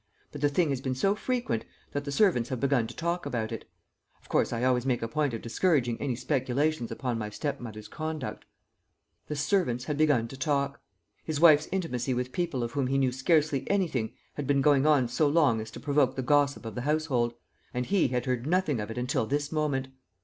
But the thing has been so frequent, that the servants have begun to talk about it. Of course, I always make a point of discouraging any speculations upon my stepmother's conduct." The servants had begun to talk; his wife's intimacy with people of whom he knew scarcely anything had been going on so long as to provoke the gossip of the household; and he had heard nothing of it until this moment!